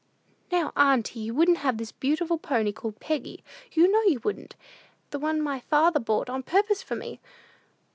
"Now, auntie, you wouldn't have this beautiful pony called Peggy; you know you wouldn't! the one my father bought on purpose for me!